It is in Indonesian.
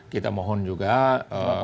kita mohon juga kebijakannya dalam memperbaiki